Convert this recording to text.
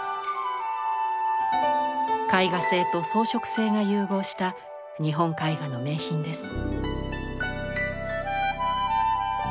絵画性と装飾性が融合した日本絵画の名品です。